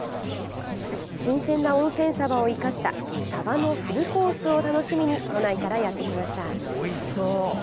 新鮮な温泉サバを生かしたサバのフルコースを楽しみに都内からやってきました。